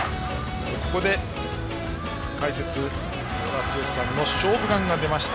ここで解説、与田剛さんの「勝負眼」が出ました。